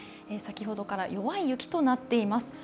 先ほどから弱い雪となっています。